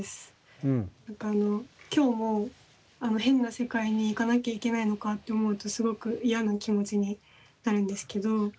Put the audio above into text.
何かあの今日も変な世界に行かなきゃいけないのかと思うとすごく嫌な気持ちになるんですけど。